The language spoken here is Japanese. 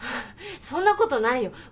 そんなことないよ。